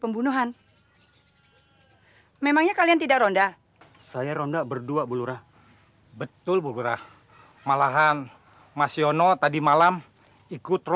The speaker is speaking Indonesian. endingan sheikh clar renoer dihelaih